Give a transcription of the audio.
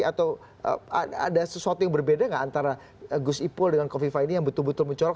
atau ada sesuatu yang berbeda nggak antara gus ipul dengan kofifa ini yang betul betul mencorok